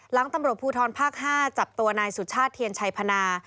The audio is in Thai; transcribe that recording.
หลังตำรวจภูทรภาค๕จับตัวนายสุชาติเทียนชัยพนา